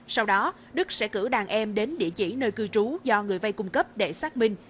sau đó đức sẽ cử đàn em đến địa chỉ nơi cư trú do người vay cung cấp để xác minh